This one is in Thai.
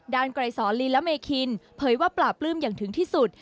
ไกรสอนลีละเมคินเผยว่าปลาปลื้มอย่างถึงที่สุด